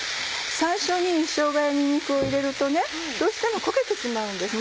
最初にしょうがやにんにくを入れるとどうしても焦げてしまうんです。